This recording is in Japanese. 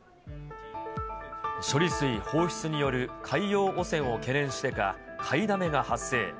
処理水放出による海洋汚染を懸念してか、買いだめが発生。